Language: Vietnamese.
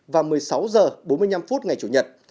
và một mươi sáu h bốn mươi năm ngày chủ nhật